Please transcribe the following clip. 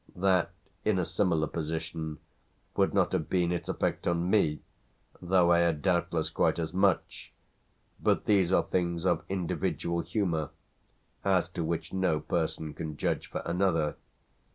That, in a similar position, would not have been its effect on me, though I had doubtless quite as much; but these are things of individual humour, as to which no person can judge for another.